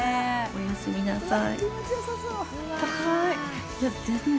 おやすみなさい。